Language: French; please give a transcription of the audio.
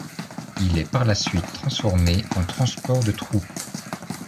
Il est par la suite transformé en transport de troupes.